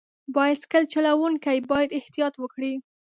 بایسکل چلوونکي باید احتیاط وکړي.